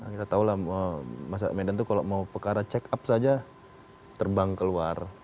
kita tahulah masyarakat medan itu kalau mau pekara check up saja terbang keluar